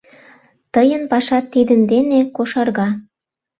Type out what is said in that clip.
Тыйын пашат тидын дене кошарга!